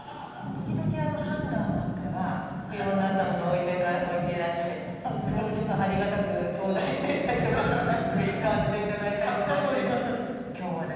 時々ハンガーなんかが不用になったものを置いていらしてそれをちょっとありがたくちょうだいしていったりとか使わせて頂いたりとかしてね。